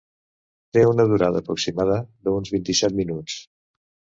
Té una durada aproximada d'uns vint-i-set minuts.